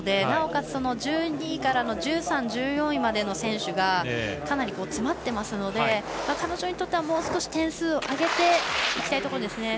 なおかつ１２位から１３位、１４位までの選手がかなり詰まってますので彼女にとっては、もう少し点数を上げていきたいところです。